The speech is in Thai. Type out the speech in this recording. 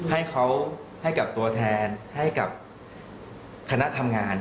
ให้เขาให้กับตัวแทนให้กับคณะทำงาน